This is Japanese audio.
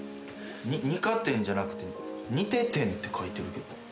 二科展じゃなくて似て展って書いてるけど。